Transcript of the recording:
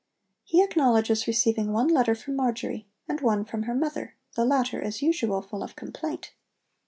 He acknowledges receiving one letter from Marjory, and one from her mother, the latter, as usual, full of complaint.